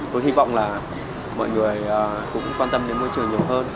tôi hy vọng là mọi người cũng quan tâm đến môi trường nhiều hơn